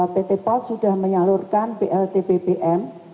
pt pol sudah menyalurkan plt bpm